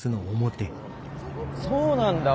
そうなんだ。